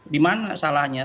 di mana salahnya